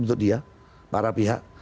untuk dia para pihak